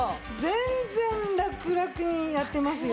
全然ラクラクにやってますよ。